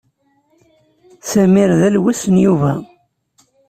Samir d alwes n Yuba.